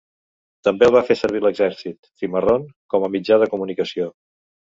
També el va fer servir l'exèrcit "cimarrón" como a mitjà de comunicació.